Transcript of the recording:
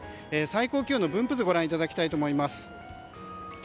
最高気温の分布図をご覧いただきます。